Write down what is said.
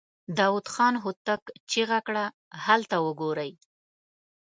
داوود خان هوتک چيغه کړه! هلته وګورئ!